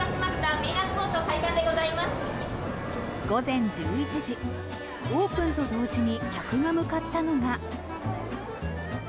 午前１１時オープンと同時に客が向かったのが。